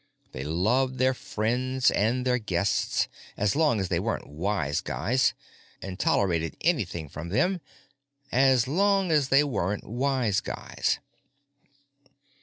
They loved their friends and their guests, as long as they weren't wise guys, and tolerated anything from them—as long as they weren't wise guys.